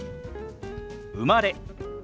「生まれ」。